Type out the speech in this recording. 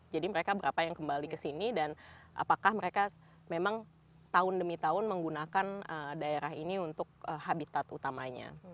jadi mereka berapa yang kembali ke sini dan apakah mereka memang tahun demi tahun menggunakan daerah ini untuk habitat utamanya